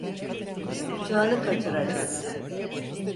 Uçağını kaçıracaksın.